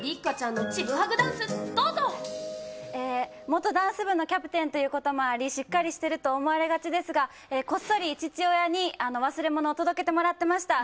元ダンス部のキャプテンということもありしっかりしていると思われがちですがこっそり父親に忘れ物を届けてもらってました。